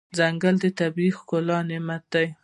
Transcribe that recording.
ځنګل د طبیعت ښکلی نعمت دی.